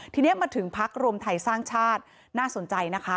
ทีนี้มาถึงพักรวมไทยสร้างชาติน่าสนใจนะคะ